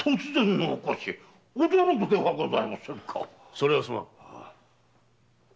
それはすまん。